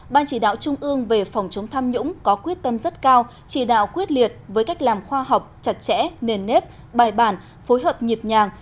ban chỉ đạo trung ương về phòng chống tham nhũng có quyết tâm rất cao chỉ đạo quyết liệt với cách làm khoa học chặt chẽ nền nếp bài bản phối hợp nhịp nhàng